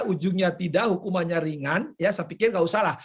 ujungnya tidak hukumannya ringan ya saya pikir nggak usah lah